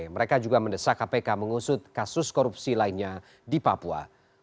mereka juga mendesak kpk mengusut kasus korupsi lainnya di papua